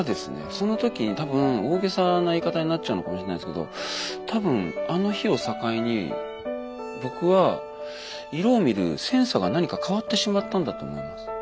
その時に多分大げさな言い方になっちゃうのかもしれないんですけど多分あの日を境に僕は色を見るセンサーが何か変わってしまったんだと思います。